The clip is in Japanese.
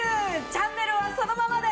チャンネルはそのままで！